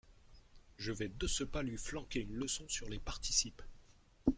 Je vais de ce pas lui flanquer une leçon sur les participes !